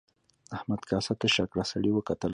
احمد کاسه تشه کړه سړي وکتل.